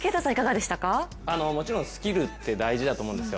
もちろんスキルって大事だと思うんですよ。